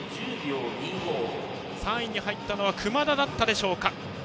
３位に入ったのは熊田だったか。